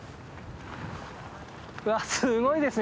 わっすごいですね